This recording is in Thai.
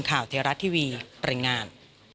ข่าวเทราะรัฐทีวีเปลี่ยนงาน